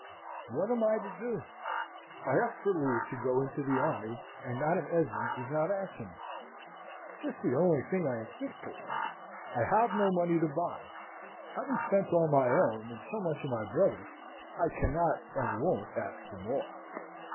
"What am I to do? I ask for leave to go into the army, and Madam Esmond does not answer me. 'Tis the only thing I am fit for. I have no money to buy. Having spent all my own, and so much of my brother's, I cannot and won't ask for more.